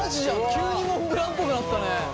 急にモンブランっぽくなったね。